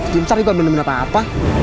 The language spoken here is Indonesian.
ciptaan ini gon benar benar apa